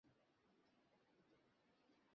আগামী সপ্তাহে আমি তোমায় কয়েক সংখ্যা পাঠিয়ে দেব।